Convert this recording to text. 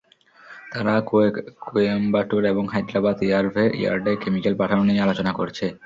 তারা কোয়েম্বাটুর এবং হায়দ্রাবাদ ইয়ার্ডে কেমিকেল পাঠানো নিয়ে আলোচনা করছে।